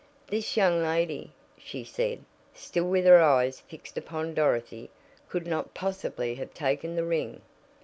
"This young lady," she said, still with her eyes fixed upon Dorothy, "could not possibly have taken the ring.